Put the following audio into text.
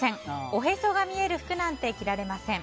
おへそが見える服なんて着られません。